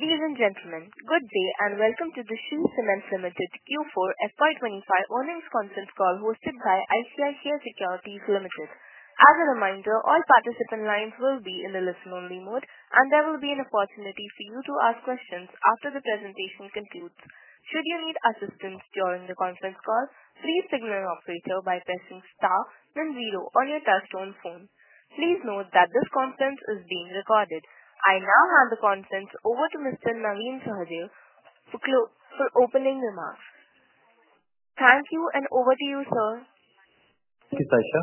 Ladies and gentlemen, good day and welcome to the Shree Cement Limited Q4 FY25 earnings consult call hosted by ICICI Securities Limited. As a reminder, all participant lines will be in the listen-only mode, and there will be an opportunity for you to ask questions after the presentation concludes. Should you need assistance during the conference call, please signal an operator by pressing star then zero on your telephone. Please note that this conference is being recorded. I now hand the conference over to Mr. Naveen Sahaj for opening remarks. Thank you, and over to you, sir. Thank you, Sasha.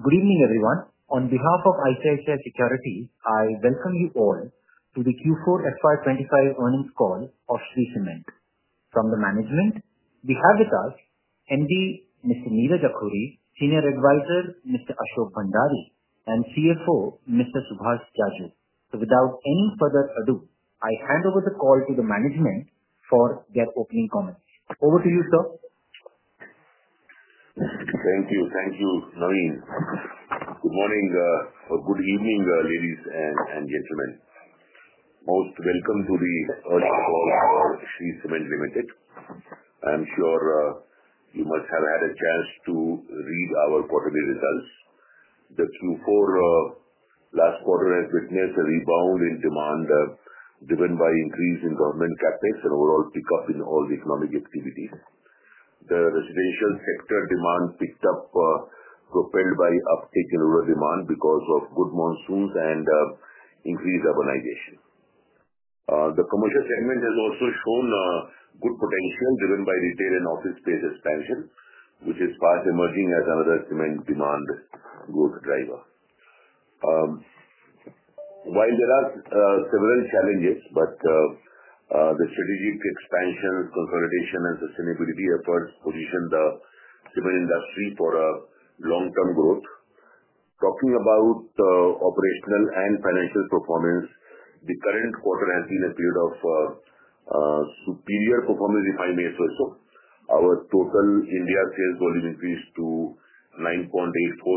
Good evening, everyone. On behalf of ICICI Securities, I welcome you all to the Q4 FY25 earnings call of Shree Cement. From the management, we have with us MD Mr. Neeraj Akhoury, Senior Advisor Mr. Ashok Bhandari, and CFO Mr. Subhash Jajoo. Without any further ado, I hand over the call to the management for their opening comments. Over to you, sir. Thank you. Thank you, Naveen. Good morning or good evening, ladies and gentlemen. Most welcome to the earnings call for Shree Cement Limited. I'm sure you must have had a chance to read our quarterly results. The Q4 last quarter has witnessed a rebound in demand driven by increase in government CapEx and overall pickup in all the economic activities. The residential sector demand picked up, propelled by uptake in rural demand because of good monsoons and increased urbanization. The commercial segment has also shown good potential driven by retail and office space expansion, which is fast emerging as another cement demand growth driver. While there are several challenges, the strategic expansions, consolidation, and sustainability efforts position the cement industry for long-term growth. Talking about operational and financial performance, the current quarter has been a period of superior performance if I may say so. Our total India sales volume increased to 9.84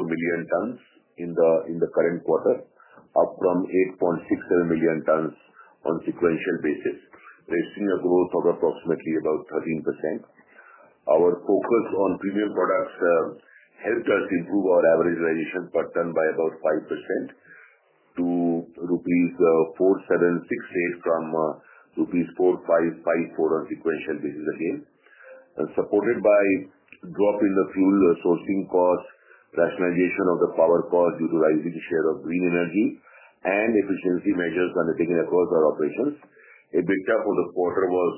million tons in the current quarter, up from 8.67 million tons on a sequential basis, raising a growth of approximately about 13%. Our focus on premium products helped us improve our average realization per ton by about 5% to rupees 4,768 from rupees 4,554 on a sequential basis again. Supported by a drop in the fuel sourcing cost, rationalization of the power cost due to rising share of green energy, and efficiency measures undertaken across our operations, EBITDA for the quarter was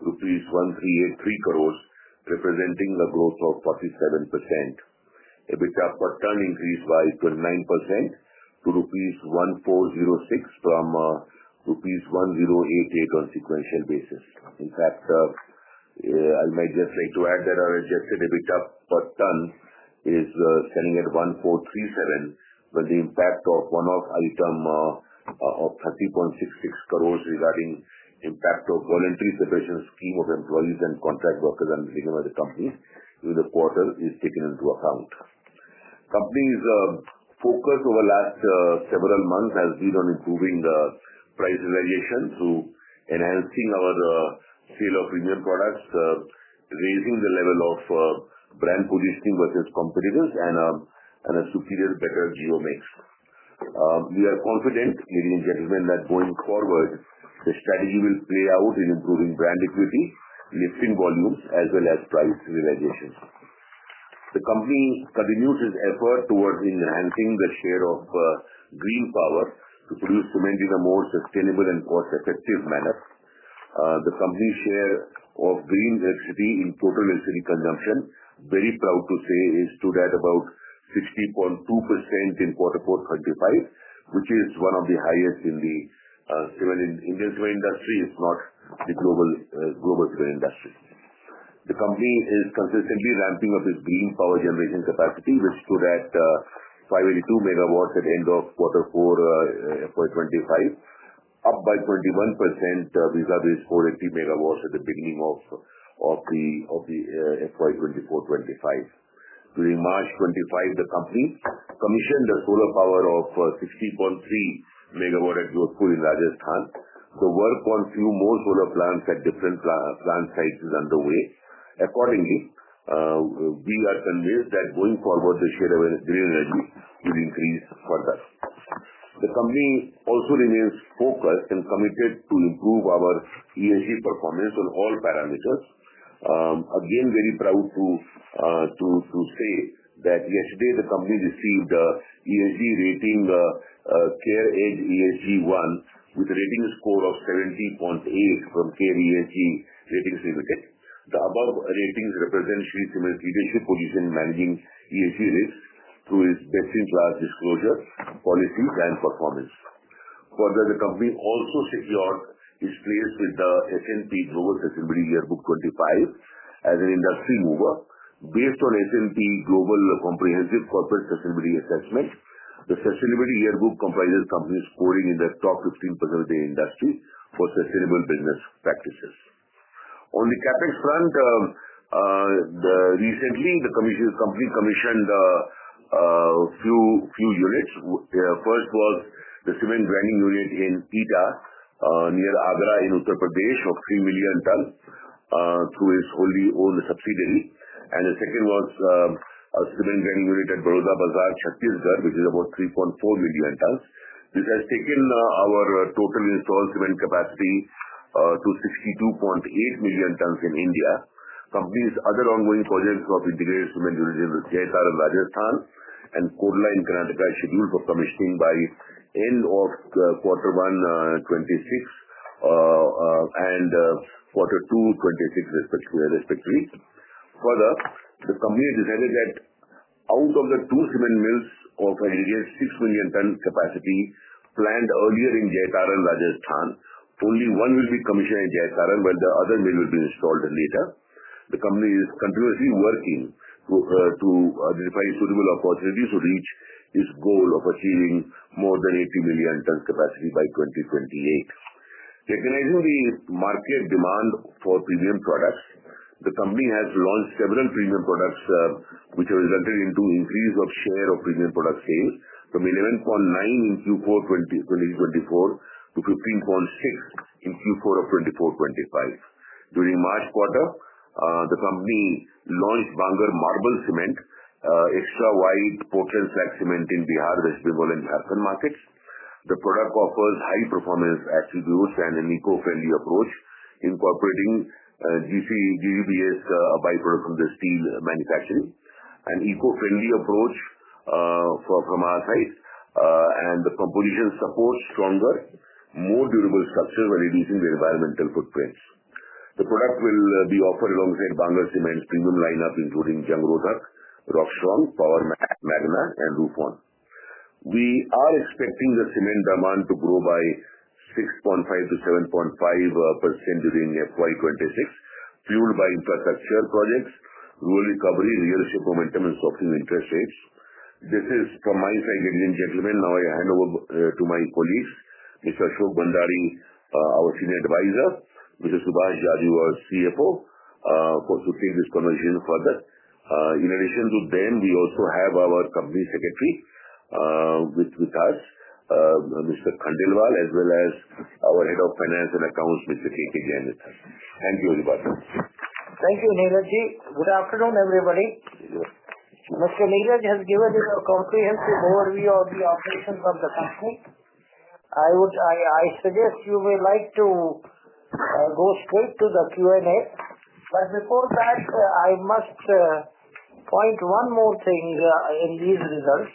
rupees 1,383 crores, representing a growth of 47%. EBITDA per ton increased by 29% to rupees 1,406 from rupees 1,088 on a sequential basis. In fact, I might just like to add that our adjusted EBITDA per ton is standing at 1,437, but the impact of one-off item of 30.66 crore regarding impact of voluntary separation scheme of employees and contract workers undertaken by the company during the quarter is taken into account. Company's focus over the last several months has been on improving price realization through enhancing our sale of premium products, raising the level of brand positioning versus competitors, and a superior, better geo mix. We are confident, ladies and gentlemen, that going forward, the strategy will play out in improving brand equity, lifting volumes, as well as price realization. The company continues its effort towards enhancing the share of green power to produce cement in a more sustainable and cost-effective manner. The company's share of green electricity in total electricity consumption, very proud to say, is stood at about 60.2% in quarter 4 FY 2025, which is one of the highest in the Indian cement industry, if not the global cement industry. The company is consistently ramping up its green power generation capacity, which stood at 582 MW at the end of quarter 4 FY 2025, up by 21% vis-à-vis 480 MW at the beginning of the FY 2024-2025. During March 2025, the company commissioned a solar power of 60.3 MW at Jodhpur in Rajasthan. The work on a few more solar plants at different plant sites is underway. Accordingly, we are convinced that going forward, the share of green energy will increase further. The company also remains focused and committed to improve our ESG performance on all parameters. Again, very proud to say that yesterday, the company received ESG rating CareEdge ESG 1 with a rating score of 70.8 from CareEdge Rating Certificate. The above ratings represent Shree Cement's leadership position in managing ESG risk through its best-in-class disclosure, policies, and performance. Further, the company also secured its place with the S&P Global Sustainability Yearbook 2025 as an industry mover. Based on S&P Global Comprehensive Corporate Sustainability Assessment, the Sustainability Yearbook comprises companies scoring in the top 15% of the industry for sustainable business practices. On the CapEx front, recently, the company commissioned a few units. First was the cement grinding unit in Eta near Agra in Uttar Pradesh of 3 million tons through its wholly owned subsidiary. The second was a cement grinding unit at Baroda Bazar, Chhattisgarh, which is about 3.4 million tons. This has taken our total installed cement capacity to 62.8 million tons in India. Company's other ongoing projects of integrated cement units in Jaitaran in Rajasthan and Kodla in Karnataka are scheduled for commissioning by end of quarter 1 2026 and quarter 2 2026 respectively. Further, the company has decided that out of the two cement mills of an additional 6 million ton capacity planned earlier in Jaitaran in Rajasthan, only one will be commissioned in Jaitaran, while the other mill will be installed later. The company is continuously working to identify suitable opportunities to reach its goal of achieving more than 80 million ton capacity by 2028. Recognizing the market demand for premium products, the company has launched several premium products, which have resulted in an increase of share of premium product sales from 11.9% in Q4 2024 to 15.6% in Q4 2025. During March quarter, the company launched Bangur Marble Cement, Extra White Porcelain Slag Cement in Bihar, West Bengal, and Jharkhand markets. The product offers high-performance attributes and an eco-friendly approach, incorporating GGBFS byproduct from the steel manufacturing. An eco-friendly approach from our side, and the composition supports stronger, more durable structures while reducing the environmental footprints. The product will be offered alongside Bangur Cement's premium lineup, including Rockstrong, Power Magna, and Rufon. We are expecting the cement demand to grow by 6.5% to 7.5% during FY 2026, fueled by infrastructure projects, rural recovery, real estate momentum, and softening interest rates. This is from my side, ladies and gentlemen. Now, I hand over to my colleagues, Mr. Ashok Bhandari, our Senior Advisor, Mr. Subhash Jajoo, our CFO, to take this conversation further. In addition to them, we also have our Company Secretary with us, Mr. Khandelwal, as well as our Head of Finance and Accounts, Mr. K. K. Jain. Thank you everybody. Thank you, Neeraj. Good afternoon, everybody. Mr. Neeraj has given you a comprehensive overview of the operations of the company. I suggest you may like to go straight to the Q&A. Before that, I must point one more thing in these results.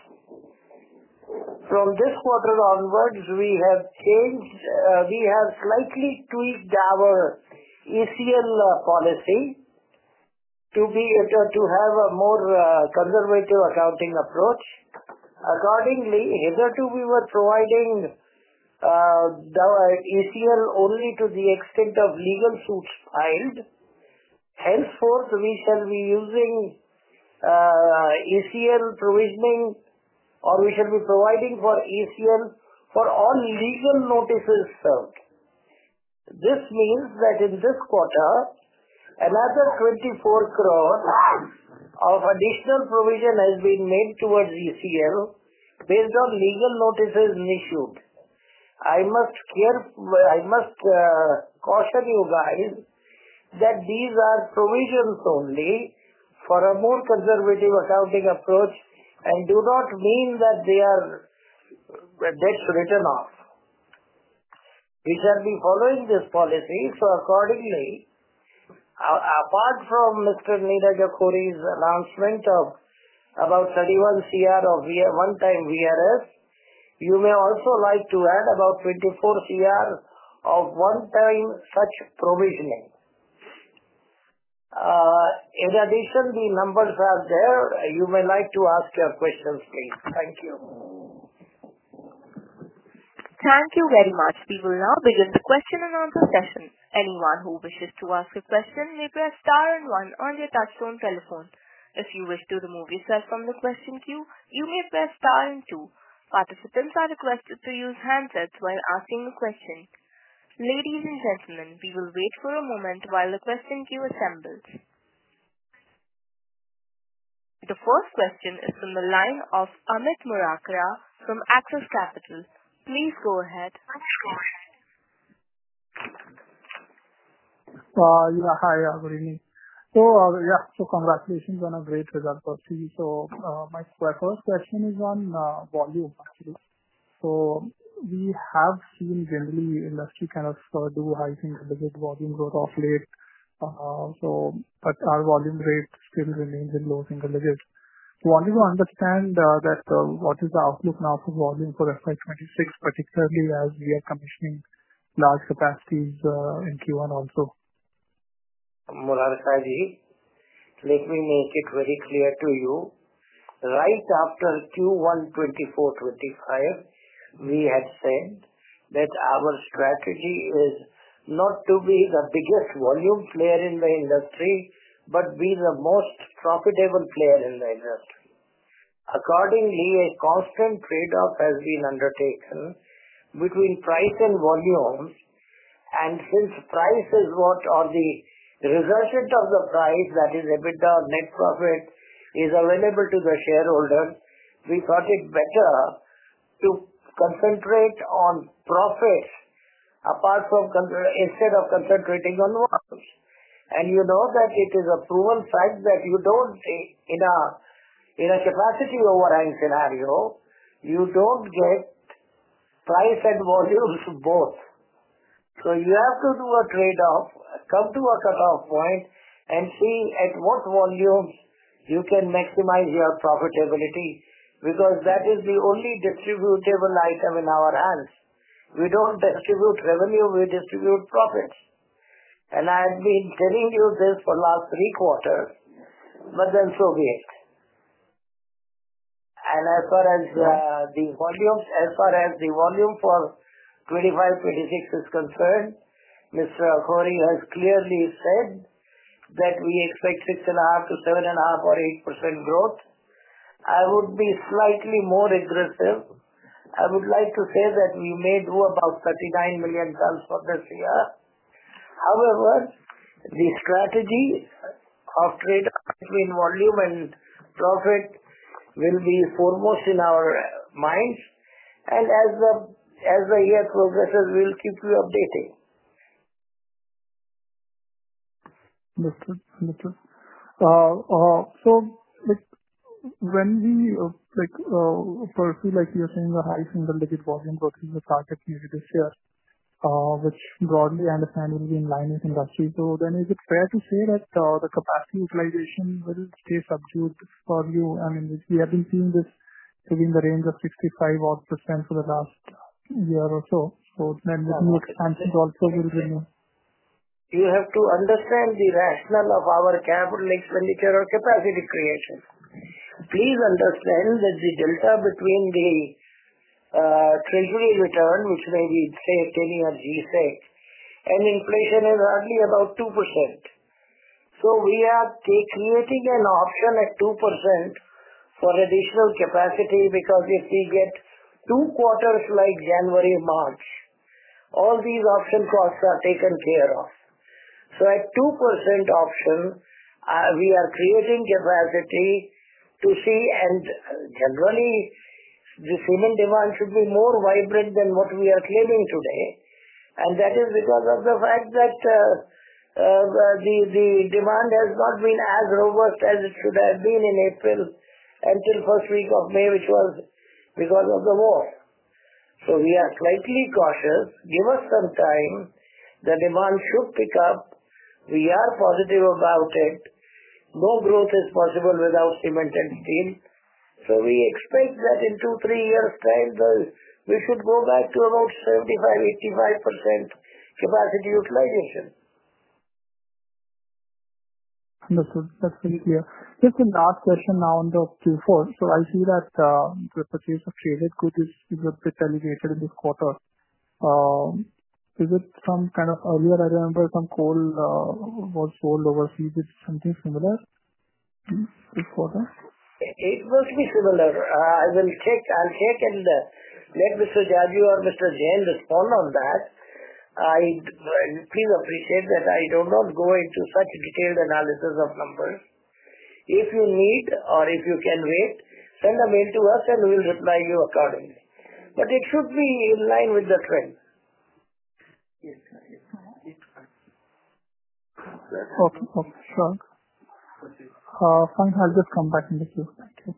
From this quarter onwards, we have slightly tweaked our ECL policy to have a more conservative accounting approach. Accordingly, hitherto, we were providing ECL only to the extent of legal suits filed. Henceforth, we shall be using ECL provisioning, or we shall be providing for ECL for all legal notices served. This means that in this quarter, another 24 crore of additional provision has been made towards ECL based on legal notices issued. I must caution you guys that these are provisions only for a more conservative accounting approach and do not mean that they are debts written off. We shall be following this policy. Accordingly, apart from Mr. Neeraj Akhoury's announcement of about 31 crore of one-time VRS, you may also like to add about 24 crore of one-time such provisioning. In addition, the numbers are there. You may like to ask your questions, please. Thank you. Thank you very much. We will now begin the question and answer session. Anyone who wishes to ask a question may press star and one on their touchstone telephone. If you wish to remove yourself from the question queue, you may press star and two. Participants are requested to use handsets while asking a question. Ladies and gentlemen, we will wait for a moment while the question queue assembles. The first question is from the line of Amit Murarka from Axis Capital. Please go ahead. Amit, go ahead. Hi, good evening. Yeah, congratulations on a great result for Shree. My first question is on volume, actually. We have seen generally industry kind of do high single-digit volume growth of late. Our volume rate still remains in low single digits. I wanted to understand what is the outlook now for volume for FY 2026, particularly as we are commissioning large capacities in Q1 also? Murarka ji, let me make it very clear to you. Right after Q1 2024-2025, we had said that our strategy is not to be the biggest volume player in the industry, but be the most profitable player in the industry. Accordingly, a constant trade-off has been undertaken between price and volume. Since price is what or the resultant of the price, that is EBITDA or net profit, is available to the shareholder, we thought it better to concentrate on profits instead of concentrating on volumes. You know that it is a proven fact that in a capacity overhang scenario, you do not get price and volumes both. You have to do a trade-off, come to a cutoff point, and see at what volumes you can maximize your profitability because that is the only distributable item in our hands. We do not distribute revenue; we distribute profits. I have been telling you this for the last three quarters, but then so be it. As far as the volume for 2025-2026 is concerned, Mr. Akhoury has clearly said that we expect 6.5% to 7.5% or 8% growth. I would be slightly more aggressive. I would like to say that we may do about 39 million tons for this year. However, the strategy of trade between volume and profit will be foremost in our minds. As the year progresses, we'll keep you updated. Understood. Understood. When we pursue, like you're saying, the high single-digit volume versus the target year this year, which broadly I understand will be in line with industry, is it fair to say that the capacity utilization will stay subdued for you? I mean, we have been seeing this within the range of 65% for the last year or so. The new expansions also will remain. You have to understand the rationale of our capital expenditure or capacity creation. Please understand that the delta between the treasury return, which may be say 10-year GSEC, and inflation is hardly about 2%. We are creating an option at 2% for additional capacity because if we get two quarters like January-March, all these option costs are taken care of. At 2% option, we are creating capacity to see, and generally, the cement demand should be more vibrant than what we are claiming today. That is because of the fact that the demand has not been as robust as it should have been in April until first week of May, which was because of the war. We are slightly cautious. Give us some time. The demand should pick up. We are positive about it. No growth is possible without cement and steel. We expect that in two, three years' time, we should go back to about 75%-85% capacity utilization. Understood. That's very clear. Just a last question now on the Q4. I see that the purchase of traded goods is a bit elevated in this quarter. Is it some kind of earlier? I remember some coal was sold overseas. Was it something similar this quarter? It will be similar. I'll take and let Mr. Jajoo or Mr. Jain respond on that. Please appreciate that I do not go into such detailed analysis of numbers. If you need or if you can wait, send a mail to us, and we'll reply to you accordingly. It should be in line with the trend. Yes. Okay. Okay. Sure. Fine. I'll just come back in the queue. Thank you.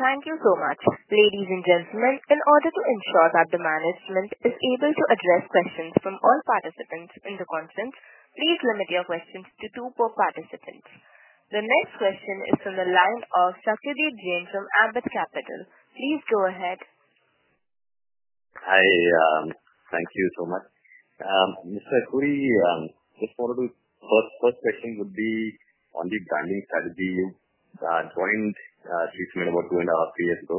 Thank you so much. Ladies and gentlemen, in order to ensure that the management is able to address questions from all participants in the conference, please limit your questions to two per participant. The next question is from the line of Satyadeep Jain from Ambit Capital. Please go ahead. Hi. Thank you so much. Mr. Akhoury, just for the first question, would be on the branding strategy. You joined Shree Cement about two and a half years ago.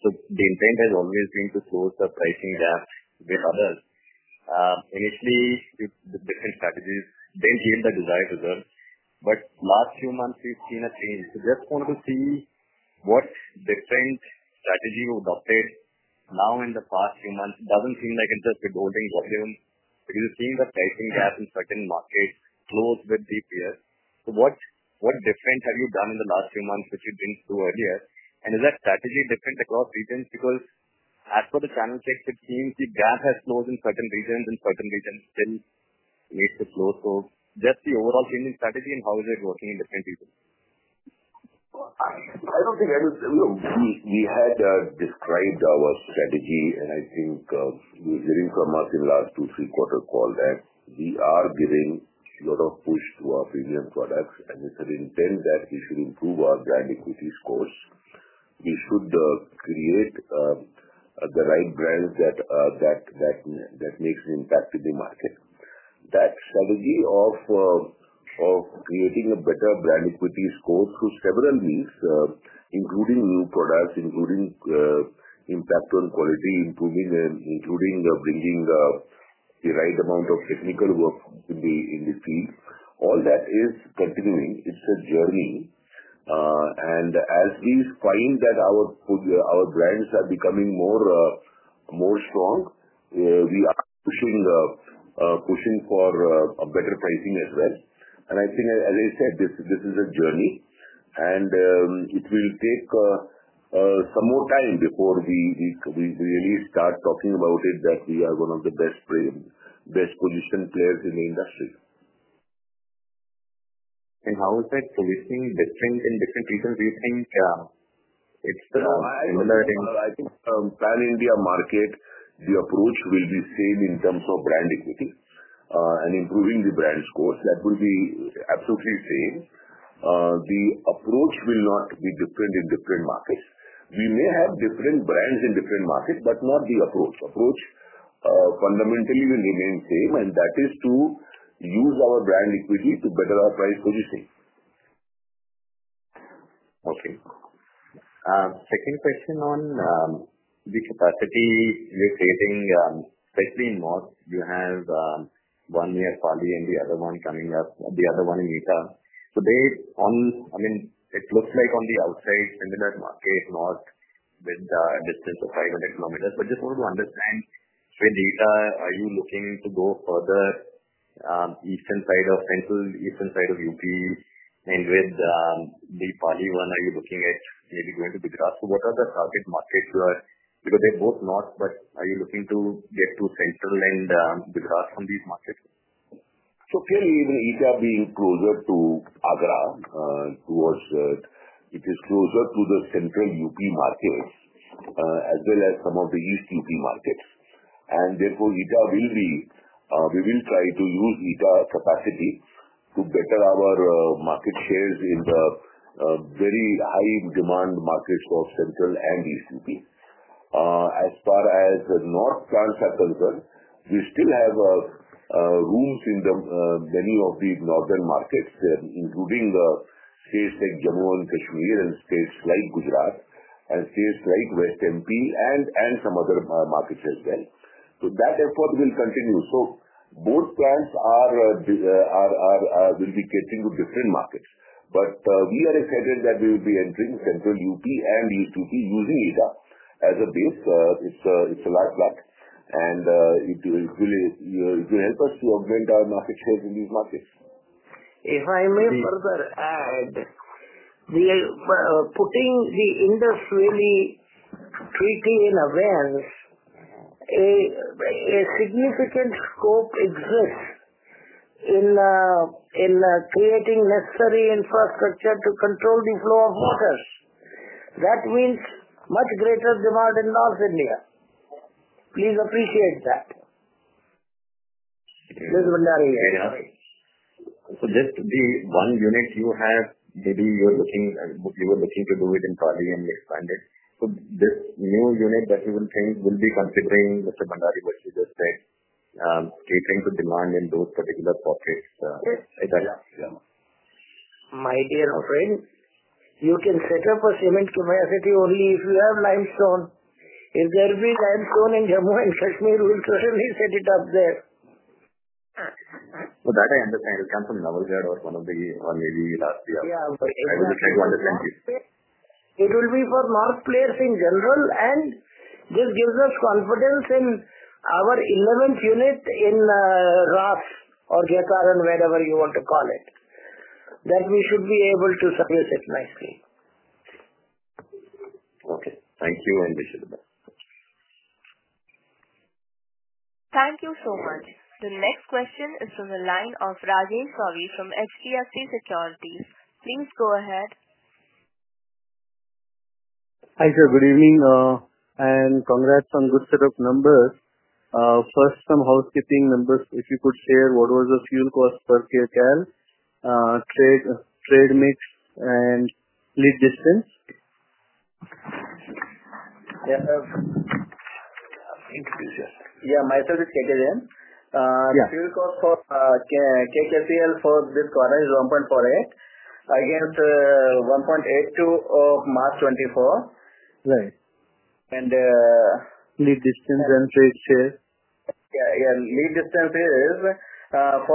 The intent has always been to close the pricing gap with others. Initially, the different strategies did not yield the desired results. In the last few months, we have seen a change. I just wanted to see what different strategy you adopted now in the past few months. It does not seem like it is just withholding volume because you have seen the pricing gap in certain markets close with the peers. What different have you done in the last few months which you did not do earlier? Is that strategy different across regions? Because as per the channel checks, it seems the gap has closed in certain regions, and certain regions still need to close. Just the overall changing strategy and how is it working in different regions? I don't think we had described our strategy, and I think hearing from us in the last two, three quarter call that we are giving a lot of push to our premium products. It's an intent that we should improve our brand equity scores. We should create the right brands that make an impact in the market. That strategy of creating a better brand equity score through several means, including new products, including impact on quality, including bringing the right amount of technical work in the field, all that is continuing. It's a journey. As we find that our brands are becoming more strong, we are pushing for better pricing as well. I think, as I said, this is a journey. It will take some more time before we really start talking about it that we are one of the best positioned players in the industry. How is that positioning different in different regions? Do you think it's similar in? I think Pan India market, the approach will be same in terms of brand equity and improving the brand scores. That will be absolutely same. The approach will not be different in different markets. We may have different brands in different markets, but not the approach. Approach fundamentally will remain same. That is to use our brand equity to better our price positioning. Okay. Second question on the capacity you're creating, especially in North, you have one near Pali and the other one coming up, the other one in Etah. I mean, it looks like on the outside, similar market, North with a distance of 500 km. Just wanted to understand, with Etah, are you looking to go further eastern side of Central, eastern side of UP, and with the Pali one, are you looking at maybe going to Gujarat? What are the target markets you are because they're both North, but are you looking to get to Central and Gujarat from these markets? Clearly, even Etah being closer to Agra, it is closer to the Central UP markets as well as some of the East UP markets. Therefore, Etah will be, we will try to use Etah capacity to better our market shares in the very high-demand markets of Central and East UP. As far as North plants are concerned, we still have room in many of the northern markets, including states like Jammu and Kashmir, states like Gujarat, states like West MP, and some other markets as well. That effort will continue. Both plants will be catering to different markets. We are excited that we will be entering Central UP and East UP using Etah as a base. It is a large plant, and it will help us to augment our market shares in these markets. If I may further add, putting the industry really tweaking in awareness, a significant scope exists in creating necessary infrastructure to control the flow of waters. That means much greater demand in North India. Please appreciate that. Mr. Bhandari, you're sorry. Just the one unit you have, maybe you were looking to do it in Pali and expand it. This new unit that you will think will be considering, Mr. Bhandari, what you just said, catering to demand in those particular pockets. Yes. Is that? Yeah. My dear friend, you can set up a cement capacity only if you have limestone. If there be limestone in Jammu and Kashmir, we'll certainly set it up there. So that I understand, it'll come from Nawalgarh or one of the or maybe last year. Yeah, it will be. I was just trying to understand you. It will be for North players in general, and this gives us confidence in our 11th unit in Ras or Gekharan, whatever you want to call it, that we should be able to service it nicely. Okay. Thank you, and wish you the best. Thank you so much. The next question is from the line of Rajeev Cowry from HDFC Securities. Please go ahead. Hi, sir. Good evening. Congrats on good set of numbers. First, some housekeeping numbers. If you could share what was the fuel cost per KKL, trade mix, and lead distance. Yeah. Thank you, sir. Yeah. Myself is K. K. Jain. Fuel cost for Shree Cement for this quarter is 1.48 against 1.82 of March 2024. Right. Lead distance and trade share? Yeah. Lead distance is 446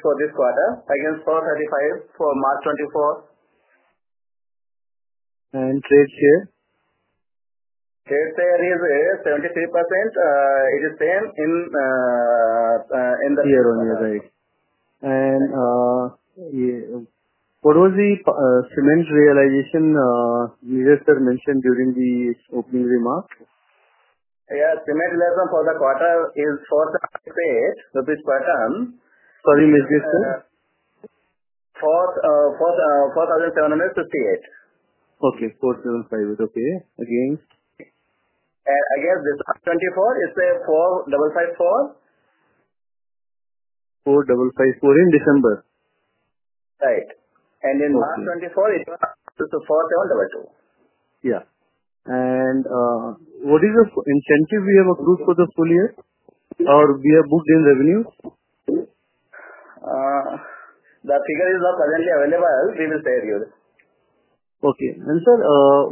for this quarter against 435 for March 2024. Trade share? Trade share is 73%. It is same in the. Yeah. Right. And what was the cement realization Mr. Cement mentioned during the opening remark? Yeah. Cement realization for the quarter is INR 4,758 per ton. Sorry, misunderstood. 4758. Okay. 4,758. Okay. Against? Against December 2024, it's 4,554. 4554 in December. Right. In March 2024, it was INR 4,722. Yeah. What is the incentive we have approved for the full year? Or we have booked in revenues? The figure is not presently available. We will share with you. Okay. Sir,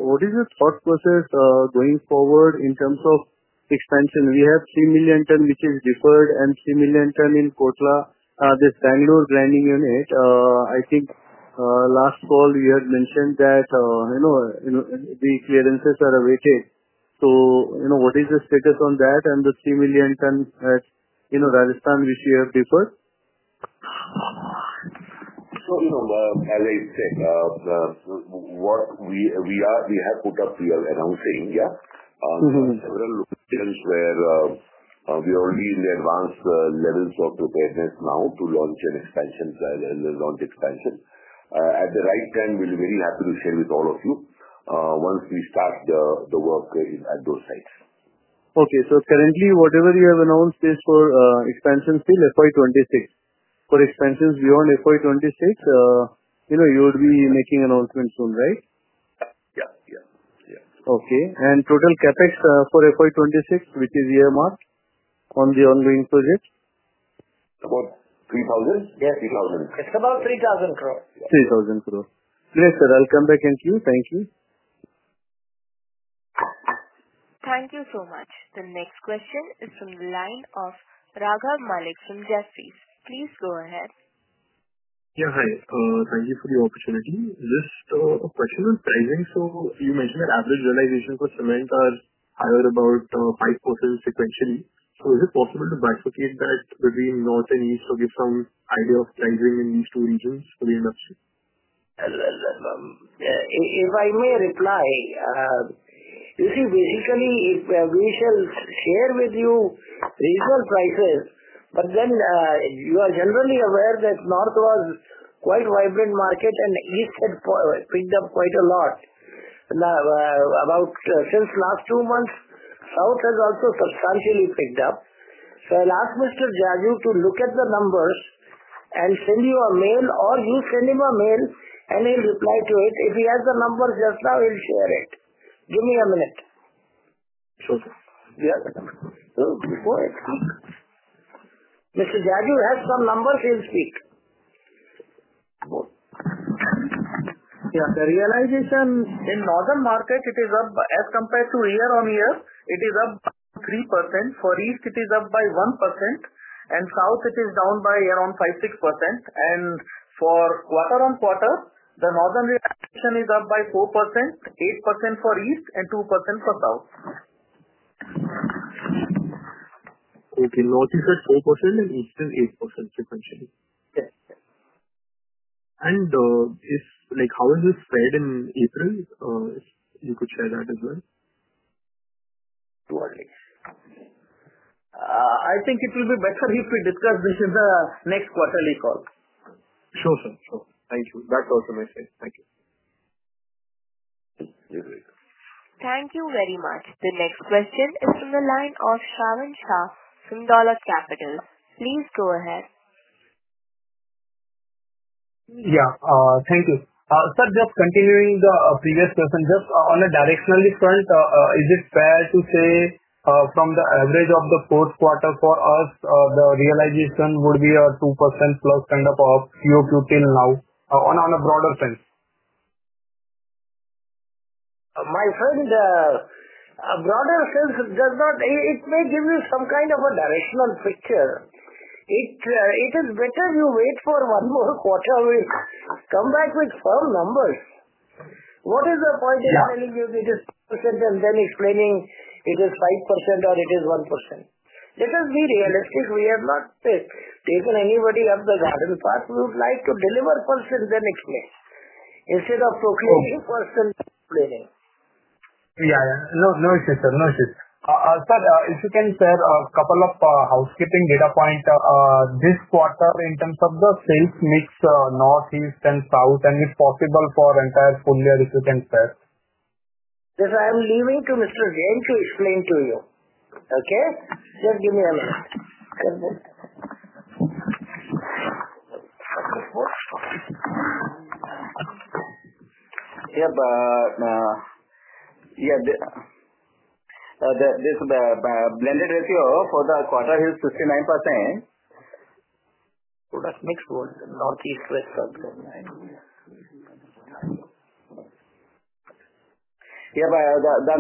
what is your thought process going forward in terms of expansion? We have 3 million ton, which is deferred, and 3 million ton in Kotla. This Bangur branding unit, I think last call we had mentioned that the clearances are awaited. What is the status on that and the 3 million ton at Rajasthan, which you have deferred? As I said, what we have put up, we are announcing, yeah, on several locations where we are already in the advanced levels of preparedness now to launch an expansion plan and launch expansion. At the right time, we will be very happy to share with all of you once we start the work at those sites. Okay. So currently, whatever you have announced is for expansion till FY 2026. For expansions beyond FY 2026, you would be making announcements soon, right? Yeah. Yeah. Okay. Total CapEx for FY 2026, which is earmarked on the ongoing project? About 3,000? Yeah. 3,000. It's about 3,000 crore. 3,000 crore. Great, sir. I'll come back and queue. Thank you. Thank you so much. The next question is from the line of Raghav Malik from Jefferies. Please go ahead. Yeah. Hi. Thank you for the opportunity. Just a question on pricing. You mentioned that average realization for cement are higher, about 5% sequentially. Is it possible to bifurcate that between North and East to give some idea of pricing in these two regions for the industry? If I may reply, you see, basically, we shall share with you regional prices. But then you are generally aware that North was quite a vibrant market, and East had picked up quite a lot. Now, since last two months, South has also substantially picked up. I will ask Mr. Jajoo to look at the numbers and send you a mail, or you send him a mail, and he will reply to it. If he has the numbers just now, he will share it. Give me a minute. Sure, sir. Yeah. So before it's so. Mr. Jajoo has some numbers. He'll speak. Yeah. The realization in Northern market, it is up as compared to year on year. It is up by 3%. For East, it is up by 1%. For South, it is down by around 5-6%. For quarter on quarter, the Northern realization is up by 4%, 8% for East, and 2% for South. Okay. North is at 4% and East is 8% sequentially. Yes. Yes. How is this spread in April? You could share that as well. I think it will be better if we discuss this in the next quarterly call. Sure, sir. Sure. Thank you. That's all from my side. Thank you. Thank you very much. The next question is from the line of Shravan Shah from Dolat Capital. Please go ahead. Yeah. Thank you. Sir, just continuing the previous question, just on a directional front, is it fair to say from the average of the fourth quarter for us, the realization would be a 2% plus kind of QoQ till now on a broader sense? My friend, a broader sense does not, it may give you some kind of a directional picture. It is better you wait for one more quarter, we come back with firm numbers. What is the point in telling you it is 2% and then explaining it is 5% or it is 1%? Let us be realistic. We have not taken anybody up the garden path. We would like to deliver first and then explain instead of proclaiming first and then explaining. Yeah. No, sir. If you can share a couple of housekeeping data points this quarter in terms of the sales mix North, East, and South, and if possible for entire full year, if you can share. This I am leaving to Mr. Jain to explain to you. Okay? Just give me a minute. Yeah. Yeah. This blended ratio for the quarter is 69%. Product mix was North, East, West, South. Yeah. The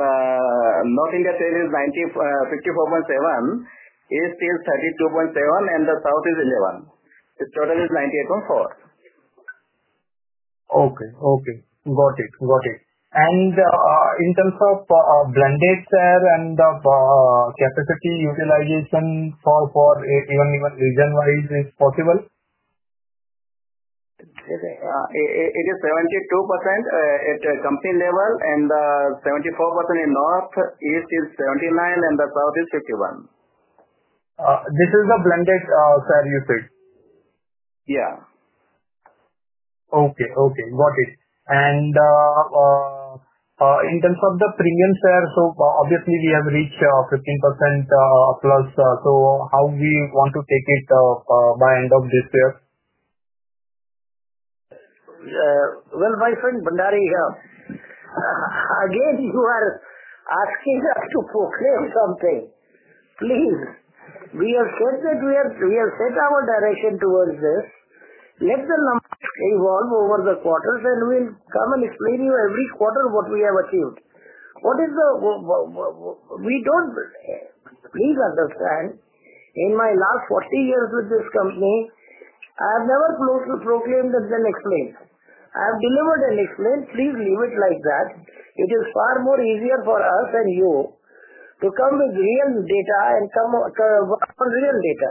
North India sale is 54.7, East is 32.7, and the South is 11. The total is 98.4. Okay. Okay. Got it. Got it. In terms of blended share and the capacity utilization for even region-wise, is it possible? It is 72% at company level and 74% in North. East is 79% and the South is 51%. This is the blended, sir, you said? Yeah. Okay. Okay. Got it. In terms of the premium share, obviously, we have reached 15% plus. How do we want to take it by end of this year? My friend Bhandari, again, you are asking us to proclaim something. Please, we have said that we have set our direction towards this. Let the numbers evolve over the quarters, and we will come and explain to you every quarter what we have achieved. Please understand, in my last 40 years with this company, I have never proposed to proclaim and then explain. I have delivered and explained. Please leave it like that. It is far easier for us and you to come with real data and work on real data.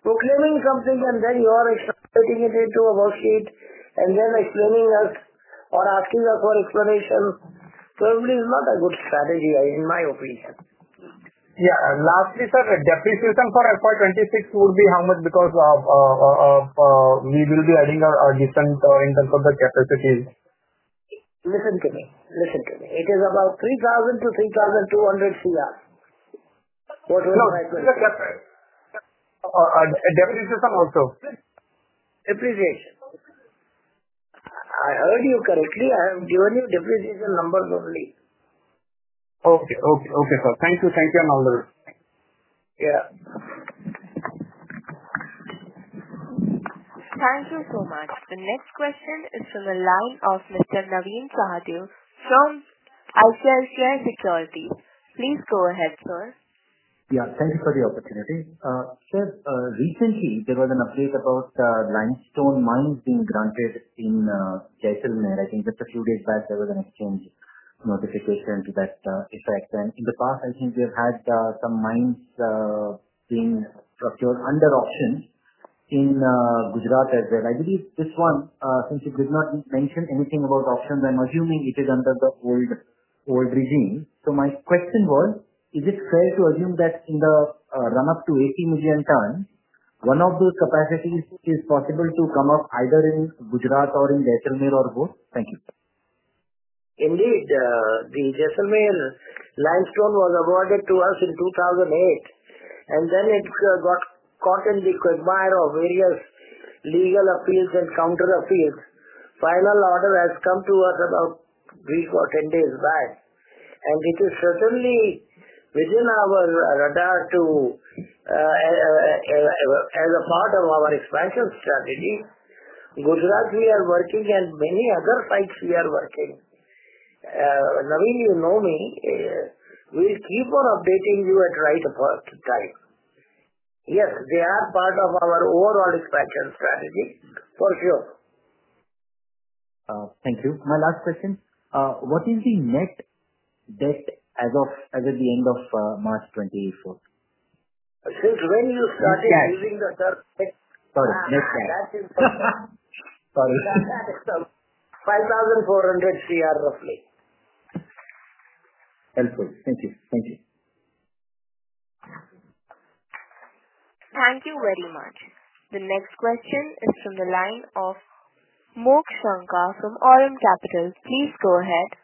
Proclaiming something and then you are explaining it into a worksheet and then explaining us or asking us for explanation probably is not a good strategy, in my opinion. Yeah. Lastly, sir, depreciation for FY 2026 would be how much because we will be adding a different in terms of the capacity? Listen to me. Listen to me. It is about 3,000-3,200 crore. No. Depreciation also. Depreciation. I heard you correctly. I have given you depreciation numbers only. Okay. Thank you, and all the best. Yeah. Thank you so much. The next question is from the line of Mr. Naveen Sahadeo from ICICI Securities. Please go ahead, sir. Yeah. Thank you for the opportunity. Sir, recently, there was an update about limestone mines being granted in Jaisalmer. I think just a few days back, there was an exchange notification to that effect. And in the past, I think we have had some mines being procured under auctions in Gujarat as well. I believe this one, since you did not mention anything about auctions, I'm assuming it is under the old regime. So my question was, is it fair to assume that in the run-up to 80 million ton, one of those capacities is possible to come up either in Gujarat or in Jaisalmer or both? Thank you. Indeed. The Jaisalmer limestone was awarded to us in 2008, and then it got caught in the quagmire of various legal appeals and counter-appeals. Final order has come to us about a week or 10 days back. It is certainly within our radar to, as a part of our expansion strategy, Gujarat, we are working, and many other sites we are working. Naveen, you know me. We'll keep on updating you at the right time. Yes, they are part of our overall expansion strategy, for sure. Thank you. My last question. What is the net debt as of the end of March 2024? Since when you started using the term net? Sorry. Net debt. That is 5,400 crore roughly. Helpful. Thank you. Thank you. Thank you very much. The next question is from the line of Mokshankar from Om Capital. Please go ahead.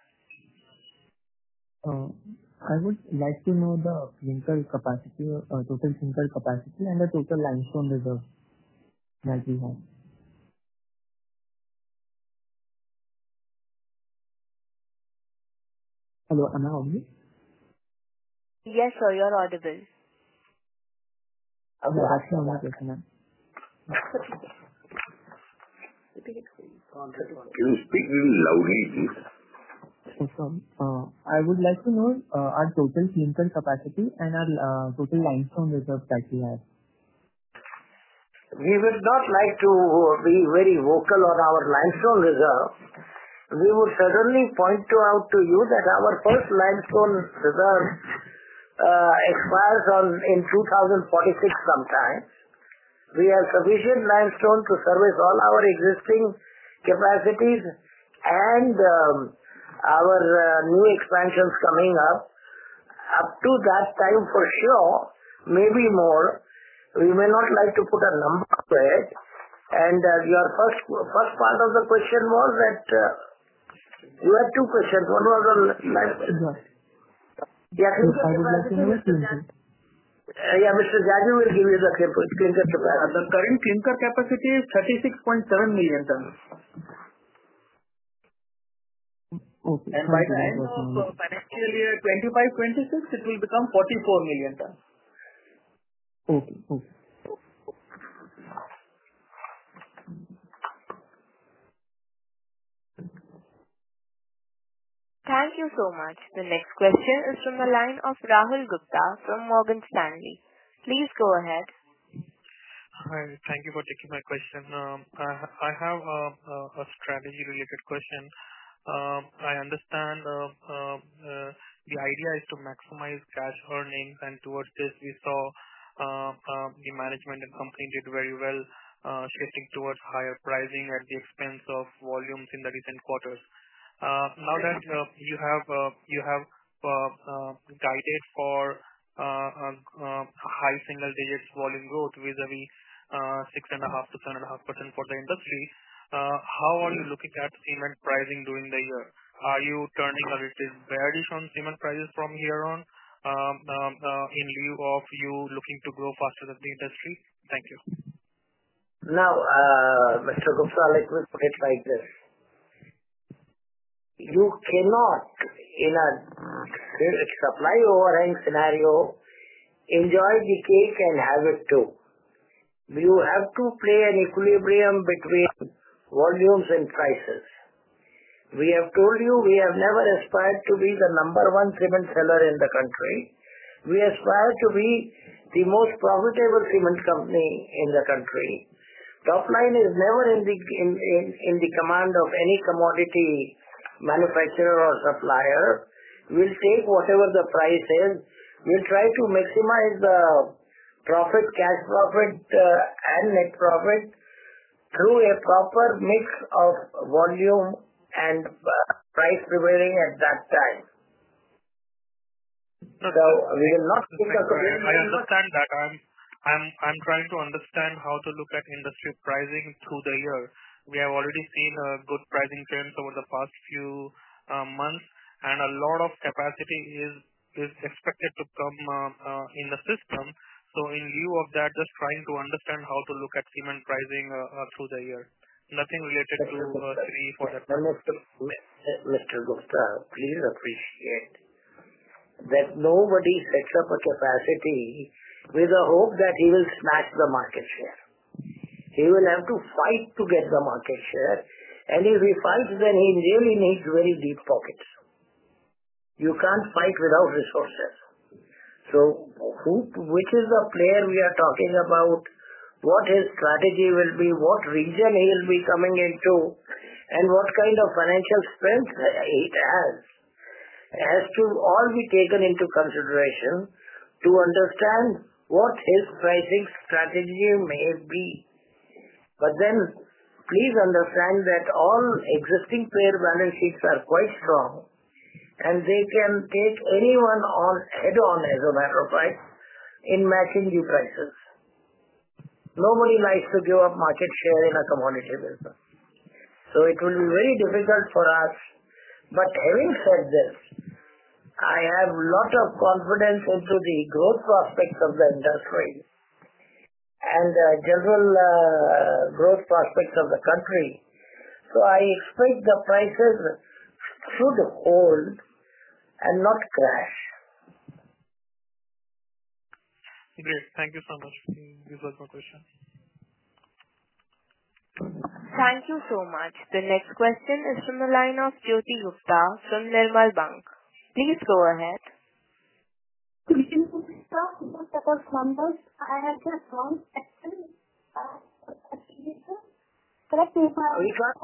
I would like to know the total clinker capacity and the total limestone reserves that we have. Hello. Am I audible? Yes, sir. You're audible. Okay. Ask me one more question. Can you speak a little loudly, please? I would like to know our total clinker capacity and our total limestone reserves that we have. We would not like to be very vocal on our limestone reserves. We would certainly point out to you that our first limestone reserve expires in 2046 sometime. We have sufficient limestone to service all our existing capacities and our new expansions coming up. Up to that time, for sure, maybe more. We may not like to put a number to it. Your first part of the question was that you had two questions. One was on limestone. Yeah. Can you explain to me? Yeah. Mr. Jajoo will give you the clinker capacity. The current clinker capacity is 36.7 million tons. By the end of financial year 2025-2026, it will become 44 million tons. Okay. Okay. Thank you so much. The next question is from the line of Rahul Gupta from Morgan Stanley. Please go ahead. Hi. Thank you for taking my question. I have a strategy-related question. I understand the idea is to maximize cash earnings, and towards this, we saw the management and company did very well shifting towards higher pricing at the expense of volumes in the recent quarters. Now that you have guided for high single-digit volume growth vis-à-vis 6.5%-7.5% for the industry, how are you looking at cement pricing during the year? Are you turning a little bearish on cement prices from here on in lieu of you looking to grow faster than the industry? Thank you. Now, Mr. Gupta, let me put it like this. You cannot, in a supply-overhang scenario, enjoy the cake and have it too. You have to play an equilibrium between volumes and prices. We have told you we have never aspired to be the number one cement seller in the country. We aspire to be the most profitable cement company in the country. Top line is never in the command of any commodity manufacturer or supplier. We'll take whatever the price is. We'll try to maximize the profit, cash profit, and net profit through a proper mix of volume and price prevailing at that time. So we will not. I understand that. I'm trying to understand how to look at industry pricing through the year. We have already seen good pricing trends over the past few months, and a lot of capacity is expected to come in the system. In lieu of that, just trying to understand how to look at cement pricing through the year. Nothing related to CME for that. Mr. Gupta, please appreciate that nobody sets up a capacity with the hope that he will smash the market share. He will have to fight to get the market share. If he fights, then he really needs very deep pockets. You can't fight without resources. Which is the player we are talking about? What his strategy will be? What region he will be coming into? What kind of financial strength he has? It has to all be taken into consideration to understand what his pricing strategy may be. Please understand that all existing player balance sheets are quite strong, and they can take anyone head-on as a matter of fact in matching the prices. Nobody likes to give up market share in a commodity business. It will be very difficult for us. Having said this, I have a lot of confidence in the growth prospects of the industry and general growth prospects of the country. I expect the prices should hold and not crash. Great. Thank you so much. These are my questions. Thank you so much. The next question is from the line of Jyoti Gupta from Nirmal Bang. Please go ahead. Could you please talk about the numbers? I have just one question. Correct me if I'm wrong.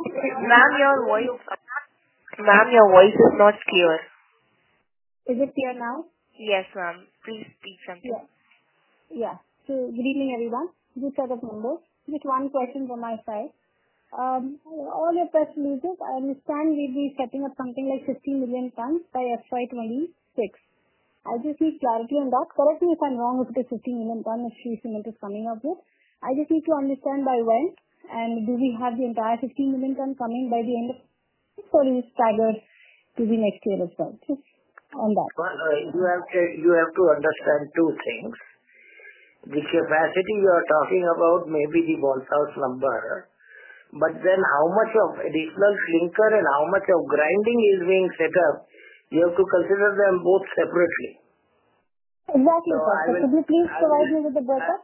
Ma'am, your voice is not clear. Is it clear now? Yes, ma'am. Please speak something. Yes. Yeah. Good evening, everyone. These are the numbers. Just one question from my side. All your press releases, I understand we will be setting up something like 15 million tons by FY 2026. I just need clarity on that. Correct me if I am wrong if it is 15 million tons that Shree Cement is coming up with. I just need to understand by when, and do we have the entire 15 million tons coming by the end of FY 2026, or is it staggered to be next year as well? Just on that. You have to understand two things. The capacity you are talking about may be the ballpark number, but then how much of additional clinker and how much of grinding is being set up, you have to consider them both separately. Exactly, sir. Could you please provide me with the data?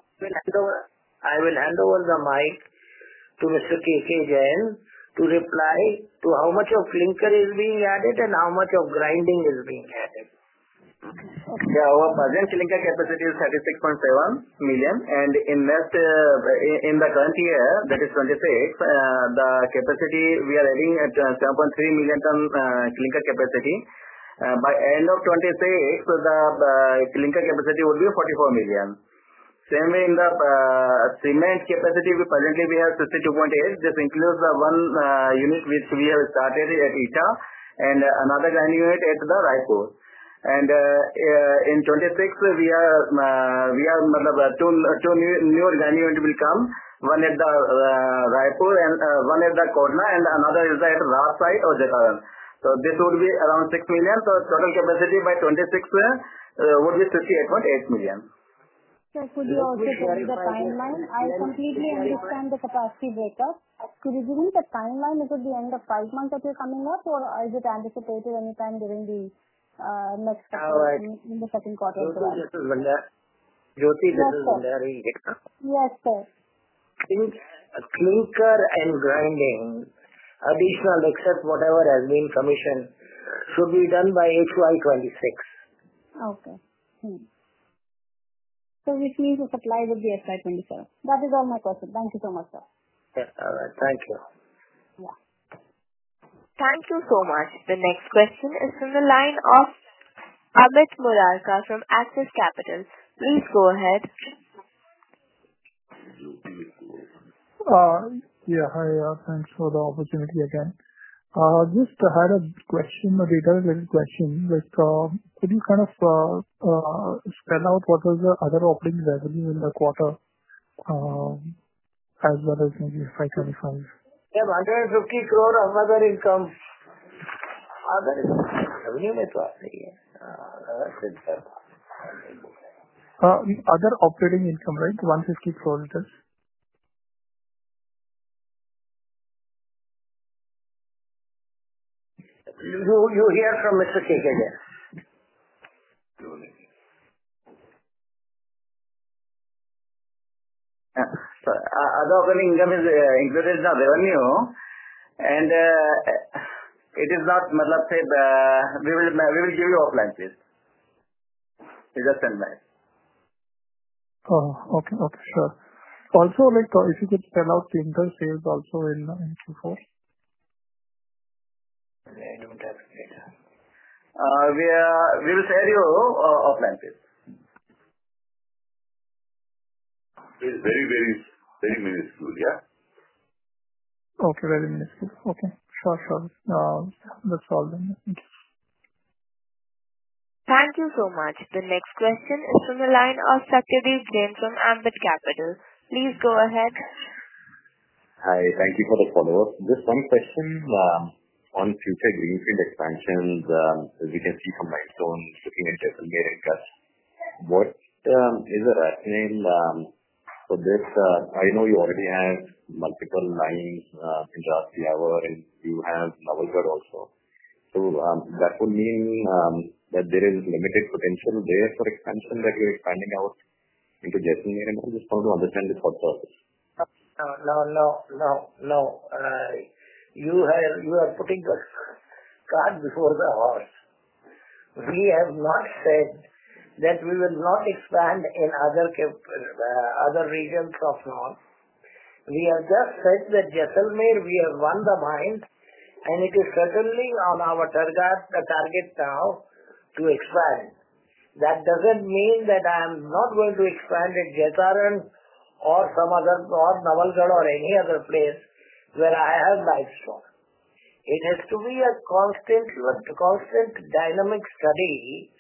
I will hand over the mic to Mr. K. K. Jain to reply to how much of clinker is being added and how much of grinding is being added. Okay. Okay. Our present clinker capacity is 36.7 million, and in the current year, that is 2026, the capacity we are adding 7.3 million ton clinker capacity. By end of 2026, the clinker capacity would be 44 million. Same way in the cement capacity, currently we have 62.8. This includes the one unit which we have started at Etah and another grinding unit at Raipur. In 2026, we are mother two new grinding units will come, one at Raipur and one at Kodla, and another is at Rasai or Jagaran. This would be around 6 million. Total capacity by 2026 would be 68.8 million. Sir, could you also give me the timeline? I completely understand the capacity breakup. Could you give me the timeline? Is it the end of five months that you're coming up, or is it anticipated anytime during the next quarter? All right. In the second quarter as well. Jyoti, this is Bhandari. Yes, sir. Clinker and grinding, additional except whatever has been commissioned, should be done by FY 2026. Okay. So which means the supply would be FY 2027. That is all my question. Thank you so much, sir. All right. Thank you. Yeah. Thank you so much. The next question is from the line of Amit Murarka from Axis Capital. Please go ahead. Yeah. Hi, yeah. Thanks for the opportunity again. Just had a question, a data-related question. Could you kind of spell out what was the other operating revenue in the quarter as well as maybe FY 2025? 150 crore of other income. Other revenue, it was. Other operating income, right? INR 150 crore, it is? You hear from Mr. K. K. Jain. Yeah. Other operating income is included in the revenue, and it is not. Mother said, "We will give you offline, please." It just stands by. Oh, okay. Okay. Sure. Also, if you could spell out the interest sales also in Q4? I don't have data. We will send you offline, please. It is very, very minuscule, yeah? Okay. Very minuscule. Okay. Sure, sure. That's all then. Thank you. Thank you so much. The next question is from the line of Satyadeep Jain from Ambit Capital. Please go ahead. Hi. Thank you for the follow-up. Just one question on future greenfield expansions. As you can see from limestone, looking at Jaisalmer and Kutch, what is the rationale for this? I know you already have multiple lines in Rasai Awar, and you have Navalgarh also. That would mean that there is limited potential there for expansion that you're expanding out into Jaisalmer and all. Just want to understand the thought process. No, no, no, no. You are putting the cart before the horse. We have not said that we will not expand in other regions of Northeast. We have just said that Jaisalmer, we have won the mine, and it is certainly on our target, the target now to expand. That does not mean that I am not going to expand at Jaisalmer or Navalgarh or any other place where I have limestone. It has to be a constant dynamic study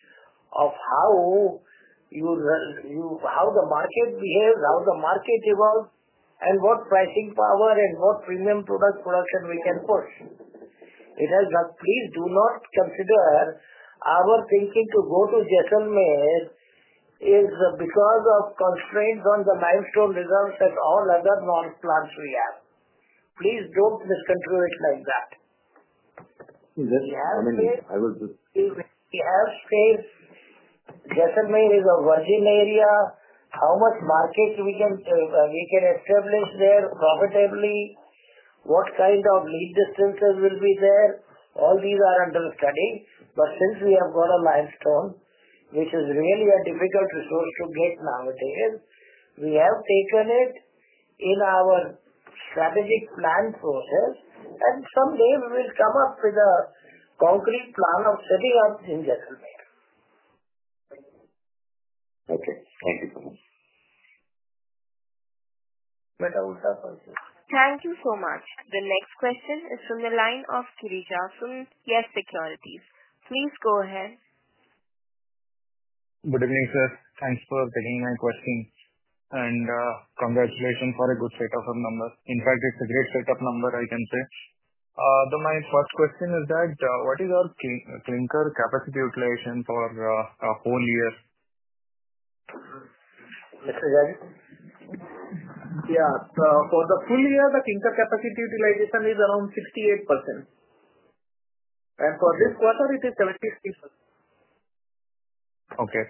of how the market behaves, how the market evolves, and what pricing power and what premium product production we can push. It has not. Please do not consider our thinking to go to Jaisalmer is because of constraints on the limestone reserves at all other Northeast plants we have. Please do not misconstrue it like that. Just commenting. I was just. We have space. Jaisalmer is a virgin area. How much market we can establish there profitably? What kind of lead distances will be there? All these are under study. Since we have got a limestone, which is really a difficult resource to get nowadays, we have taken it in our strategic plan process, and someday we will come up with a concrete plan of setting up in Jaisalmer. Okay. Thank you so much. Meta Ultra Point. Thank you so much. The next question is from the line of Kiri Jasun, YES SECURITIES. Please go ahead. Good evening, sir. Thanks for taking my question, and congratulations for a good setup of numbers. In fact, it's a great setup number, I can say. My first question is that what is our clinker capacity utilization for a whole year? Mr. Jain? Yeah. For the full year, the clinker capacity utilization is around 68%. For this quarter, it is 76%. Okay.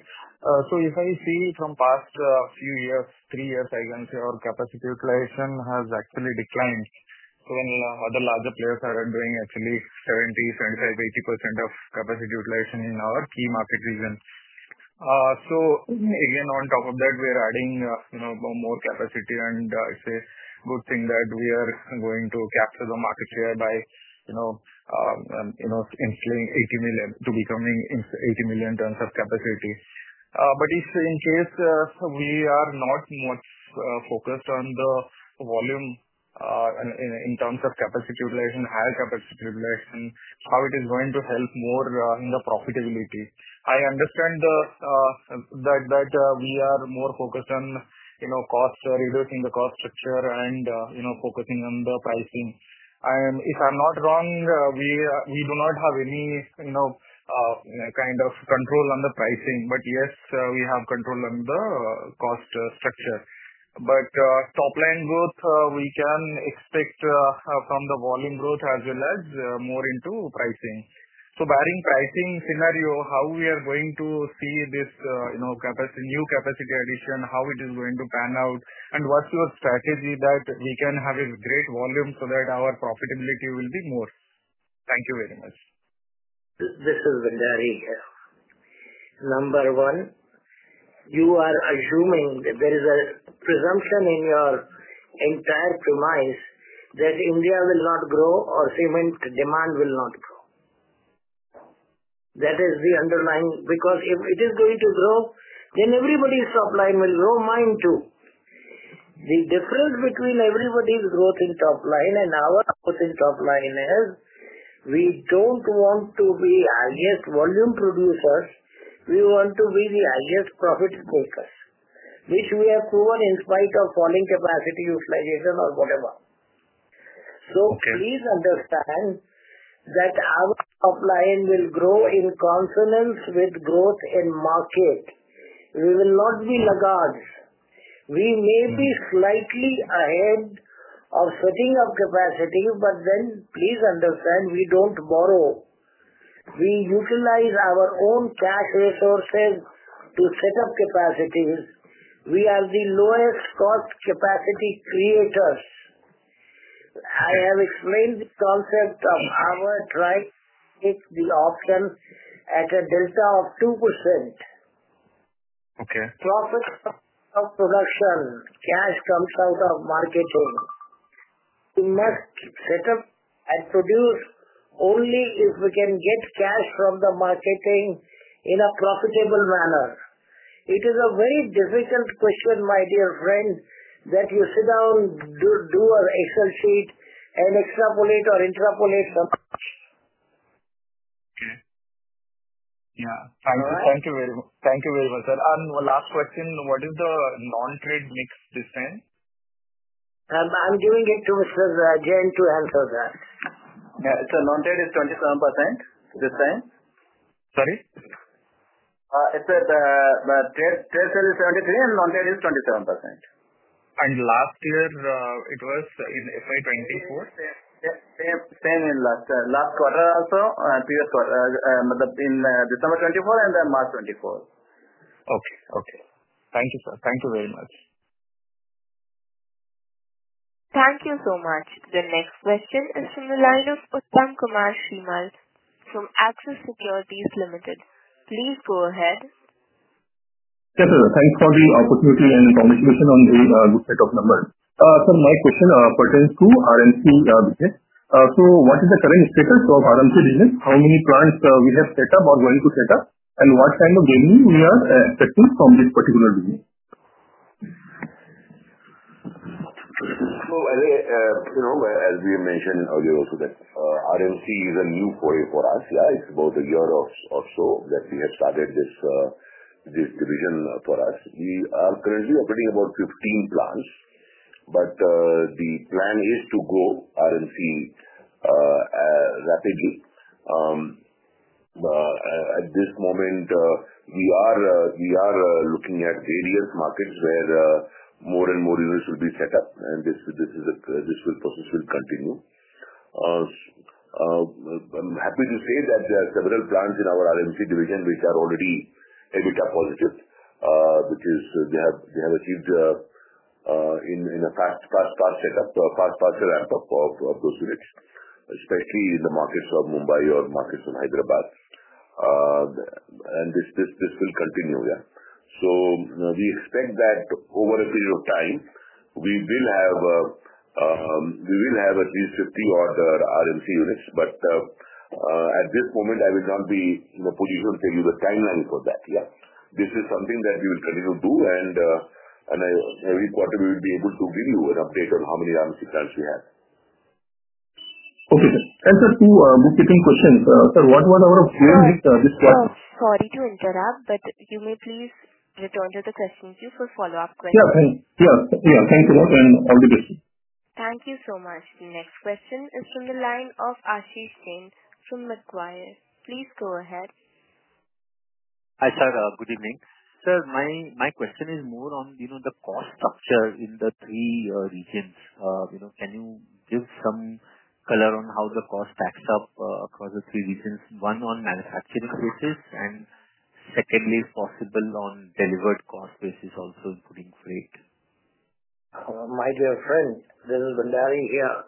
If I see from the past few years, three years, I can see our capacity utilization has actually declined. Other larger players are doing actually 70%, 75%, 80% of capacity utilization in our key market region. Again, on top of that, we are adding more capacity, and it's a good thing that we are going to capture the market share by instilling 80 million to becoming 80 million tons of capacity. If in case we are not much focused on the volume in terms of capacity utilization, higher capacity utilization, how is it going to help more in the profitability? I understand that we are more focused on reducing the cost structure and focusing on the pricing. If I'm not wrong, we do not have any kind of control on the pricing, but yes, we have control on the cost structure. Top line growth, we can expect from the volume growth as well as more into pricing. Barring pricing scenario, how are we going to see this new capacity addition, how is it going to pan out, and what's your strategy that we can have a great volume so that our profitability will be more? Thank you very much. This is Bhandari. Number one, you are assuming that there is a presumption in your entire premise that India will not grow or cement demand will not grow. That is the underlying because if it is going to grow, then everybody's top line will grow, mine too. The difference between everybody's growth in top line and our growth in top line is we do not want to be highest volume producers. We want to be the highest profit takers, which we have proven in spite of falling capacity utilization or whatever. Please understand that our top line will grow in consonance with growth in market. We will not be laggards. We may be slightly ahead of setting up capacity, but please understand we do not borrow. We utilize our own cash resources to set up capacities. We are the lowest cost capacity creators. I have explained the concept of our trying to take the option at a delta of 2%. Profit comes out of production. Cash comes out of marketing. We must set up and produce only if we can get cash from the marketing in a profitable manner. It is a very difficult question, my dear friend, that you sit down, do an Excel sheet, and extrapolate or interpolate so much. Okay. Yeah. Thank you very much. Thank you very much, sir. One last question. What is the non-trade mix discent? I'm giving it to Mr. Jain to answer that. Yeah. So non-trade is 27% descent. Sorry? It's that the trade sale is 73% and non-trade is 27%. Last year, it was in FY 2024? Same in last quarter also, previous quarter, in December 2024 and then March 2024. Okay. Okay. Thank you, sir. Thank you very much. Thank you so much. The next question is from the line of Uttam Kumar Shrimal from Axis Securities Limited. Please go ahead. Yes, sir. Thanks for the opportunity and conversation on the good set of numbers. Sir, my question pertains to RMC business. What is the current status of RMC business? How many plants we have set up or going to set up, and what kind of revenue we are expecting from this particular business? As we mentioned earlier also, RMC is a new foray for us. Yeah, it's about a year or so that we have started this division for us. We are currently operating about 15 plants, but the plan is to grow RMC rapidly. At this moment, we are looking at various markets where more and more units will be set up, and this process will continue. I'm happy to say that there are several plants in our RMC division which are already EBITDA positive, which is they have achieved in a fast setup, fast ramp-up of those units, especially in the markets of Mumbai or markets of Hyderabad. This will continue, yeah. We expect that over a period of time, we will have at least 50 odd RMC units, but at this moment, I will not be in a position to tell you the timeline for that, yeah. This is something that we will continue to do, and every quarter, we will be able to give you an update on how many RMC plants we have. Okay, sir. And sir, two quick questions. Sir, what was our goal this quarter? Sorry to interrupt, but you may please return to the question queue for follow-up questions. Yeah. Thanks. Yeah. Thanks a lot and all the best. Thank you so much. The next question is from the line of Ashish Jain from Macquarie. Please go ahead. Hi, sir. Good evening. Sir, my question is more on the cost structure in the three regions. Can you give some color on how the cost stacks up across the three regions? One, on manufacturing basis, and secondly, if possible, on delivered cost basis also including freight. My dear friend, this is Bhandari here.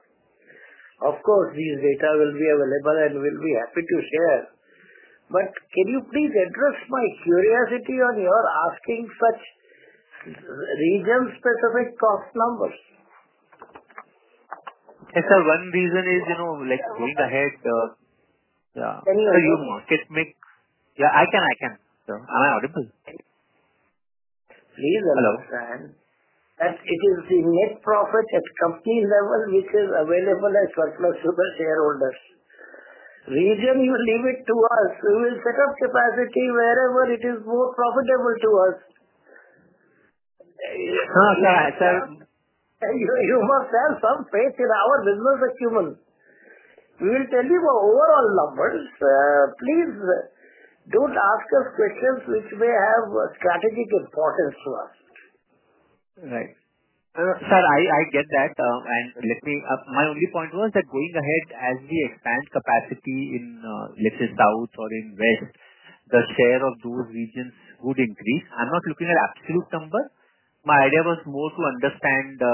Of course, these data will be available, and we'll be happy to share. Can you please address my curiosity on your asking such region-specific cost numbers? Okay. Sir, one reason is going ahead. Yeah. So your market mix? Yeah. I can. Am I audible? Please understand that it is the net profit at company level which is available as workload to the shareholders. Region will leave it to us. We will set up capacity wherever it is more profitable to us. No, sir. You must have some faith in our business acumen. We will tell you our overall numbers. Please do not ask us questions which may have strategic importance to us. Right. Sir, I get that. My only point was that going ahead, as we expand capacity in, let's say, South or in West, the share of those regions would increase. I'm not looking at absolute numbers. My idea was more to understand the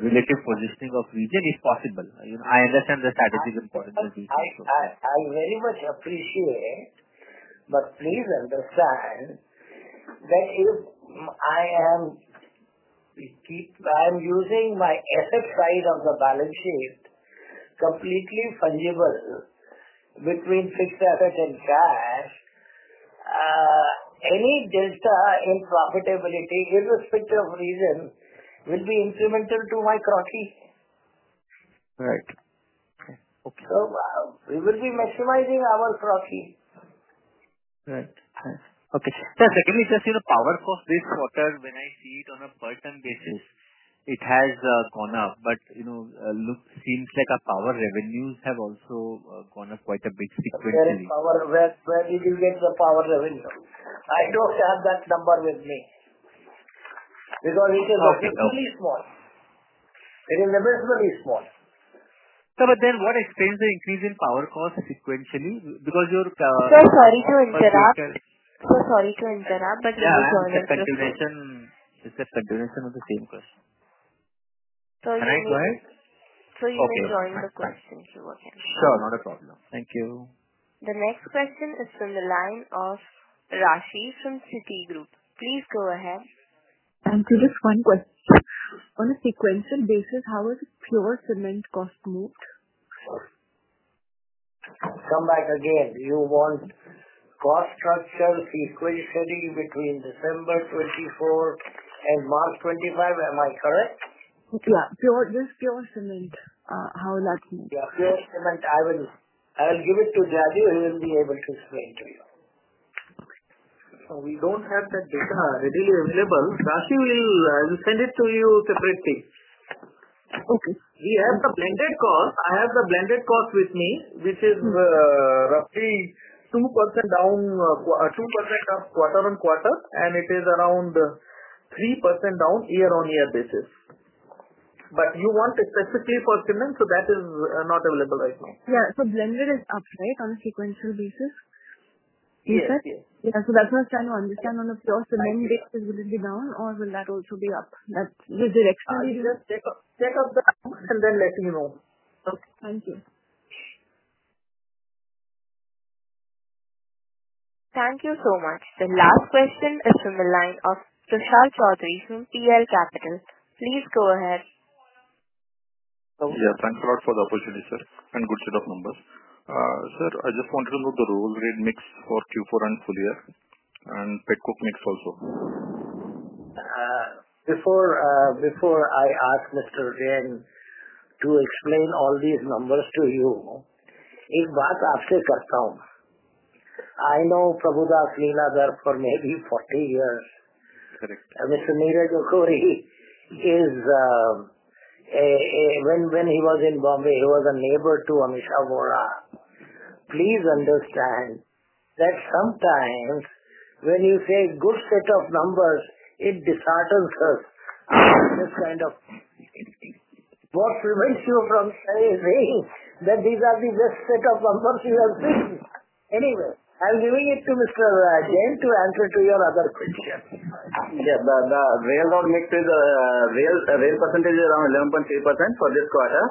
relative positioning of region if possible. I understand the strategic importance of region. I very much appreciate, but please understand that if I am using my asset side of the balance sheet completely fungible between fixed asset and cash, any delta in profitability, irrespective of region, will be incremental to my crockey. Right. Okay. Okay. We will be maximizing our capacity. Right. Okay. Sir, secondly, just in the power cost this quarter, when I see it on a per ton basis, it has gone up. It seems like our power revenues have also gone up quite a bit sequentially. Where did you get the power revenue? I do not have that number with me because it is reasonably small. It is reasonably small. Sir, but then what explains the increase in power cost sequentially? Because your. Sir, sorry to interrupt. Sir, sorry to interrupt, but you may join the question. It's a continuation of the same question. You may. Can I go ahead? You may join the question queue again. Sure. Not a problem. Thank you. The next question is from the line of Rashid from Citi Group. Please go ahead. I'm just one question. On a sequential basis, how has pure cement cost moved? Come back again. You want cost structure sequentially between December 2024 and March 2025? Am I correct? Yeah. Just pure cement, how that's moved? Yeah. Pure cement, I will give it to Jain. He will be able to explain to you. Okay. We don't have that data readily available. Rashid will send it to you separately. Okay. We have the blended cost. I have the blended cost with me, which is roughly 2% up quarter on quarter, and it is around 3% down year-on-year basis. You want specifically for cement, so that is not available right now. Yeah. So blended is up, right, on a sequential basis? Yes. You said? Yes. Yeah. So that's what I'm trying to understand. On a pure cement basis, will it be down, or will that also be up? That's the direction we do. Just check off the box and then let me know. Okay. Thank you. Thank you so much. The last question is from the line of Prashal Choudhury from CL Capital. Please go ahead. Yeah. Thanks a lot for the opportunity, sir, and good set of numbers. Sir, I just wanted to know the roll rate mix for Q4 and full year and petcoke mix also. Before I ask Mr. Jain to explain all these numbers to you, एक बात आपसे करता हूं. I know Prabhudas Lilladher there for maybe 40 years. Correct. Mr. Neeraj Akhoury, when he was in Mumbai, he was a neighbor to Amisha Vora. Please understand that sometimes when you say good set of numbers, it disheartens us. This kind of what prevents you from saying that these are the best set of numbers you have seen? Anyway, I'm giving it to Mr. Jain to answer to your other question. Yeah. The railroad mix is rail percentage is around 11.3% for this quarter,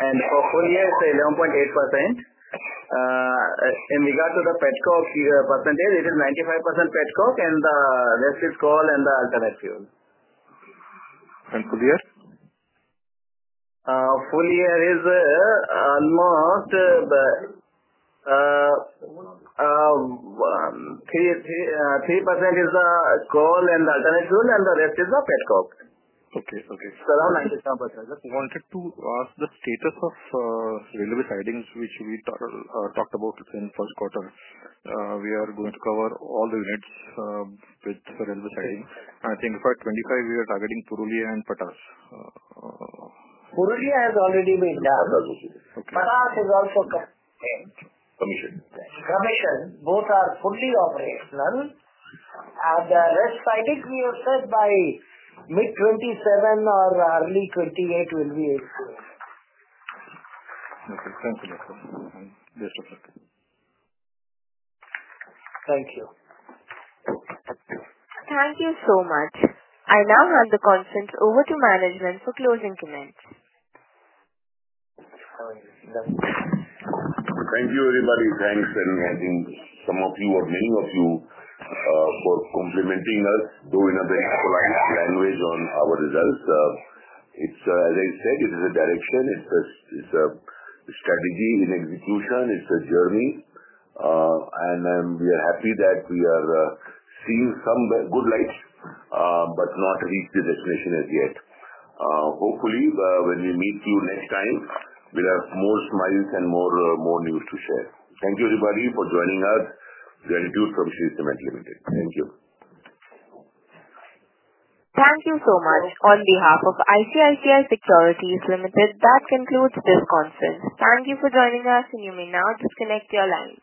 and for full year, it's 11.8%. In regard to the petcoke percentage, it is 95% petcoke and the rest is coal and the alternate fuel. Full year? Full year is almost 3% is coal and alternate fuel, and the rest is petcoke. Okay. Okay. It's around 95%. I just wanted to ask the status of railway sidings, which we talked about in first quarter. We are going to cover all the units with railway siding. I think for 2025, we are targeting Purulia and Patas. Purulia has already been done. Patas is also commissioned. Commissioned. Commissioned. Both are fully operational, and the rest siding we will set by mid-2027 or early 2028 will be explained. Okay. Thank you, sir. I'm just reflecting. Thank you. Thank you so much. I now hand the conference over to management for closing comments. Thank you, everybody. Thanks. I think some of you or many of you for complimenting us, though in a very polite language on our results. As I said, it is a direction. It is a strategy in execution. It is a journey. We are happy that we are seeing some good lights, but not reached the destination as yet. Hopefully, when we meet you next time, we will have more smiles and more news to share. Thank you, everybody, for joining us. Gratitude from Shree Cement Limited. Thank you. Thank you so much. On behalf of ICICI Securities Limited, that concludes this conference. Thank you for joining us, and you may now disconnect your lines.